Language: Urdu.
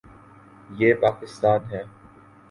یہ پاکستان ہے۔